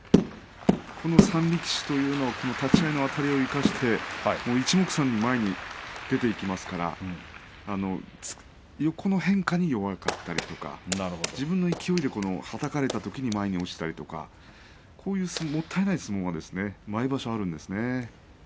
この３力士というのは立ち合いのあたりを生かしていちもくさんに前に出ていきますから横の変化に弱かったりとか自分の勢いではたかれたときに前に落ちたりとかそういうもったいない相撲が毎場所あるんですね。